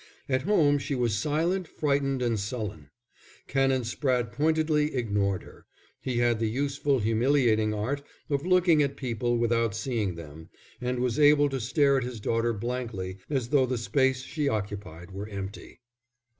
At home she was silent, frightened and sullen. Canon Spratte pointedly ignored her. He had the useful, humiliating art of looking at people without seeing them, and was able to stare at his daughter blankly as though the space she occupied were empty.